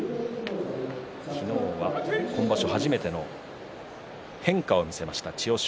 昨日は今場所初めての変化を見せました、千代翔